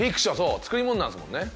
作り物なんですもんね。